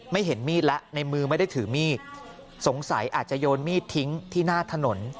เห็นมีดแล้วในมือไม่ได้ถือมีดสงสัยอาจจะโยนมีดทิ้งที่หน้าถนน